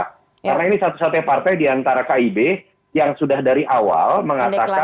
karena ini satu satunya partai diantara kib yang sudah dari awal mengatakan sumnya akan maju